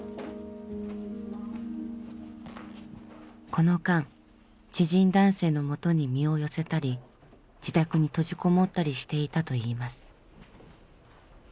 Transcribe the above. この間知人男性のもとに身を寄せたり自宅に閉じ籠もったりしていたといいます。